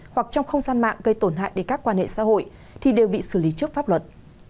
hoặc trong không gian mạng gây tổn hại đến các quan hệ xã hội thì đều bị xử lý trước pháp luật